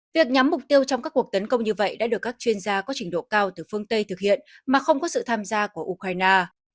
việc nhắm mục tiêu trong các cuộc tấn công như vậy đã được các chuyên gia có trình độ cao từ phương tây thực hiện mà không có sự tham gia của ukraine